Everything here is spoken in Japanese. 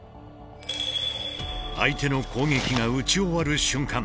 相手の攻撃が打ち終わる瞬間